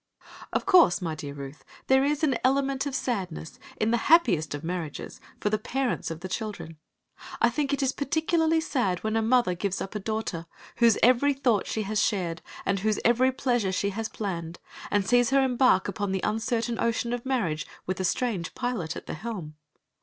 Of course, my dear Ruth, there is an element of sadness in the happiest of marriages for the parents of children. I think it is particularly sad when a mother gives up a daughter, whose every thought she has shared, and whose every pleasure she has planned, and sees her embark upon the uncertain ocean of marriage, with a strange pilot at the helm.